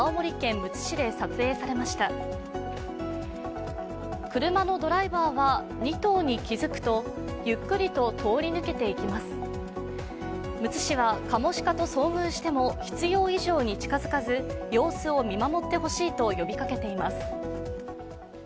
むつ市はかもしかと遭遇しても必要以上に近づかず様子を見守ってほしいと呼びかけています。